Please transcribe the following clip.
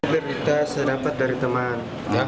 berita saya dapat dari teman